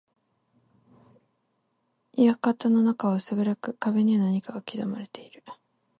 館の中は薄暗く、壁には何かが刻まれている。